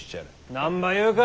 何ば言うか！